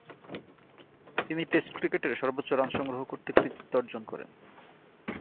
তিনি টেস্ট ক্রিকেটের সর্বোচ্চ রান সংগ্রহ করতে কৃতিত্ব অর্জন করেন।